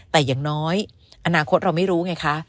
แต่อย่างน้อยอนาคตเราไม่รู้ไงคะ